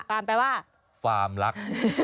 ฟาร์มรัก